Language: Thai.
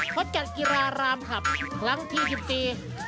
เขาจัดกิรารามครับหลังที่ดินตี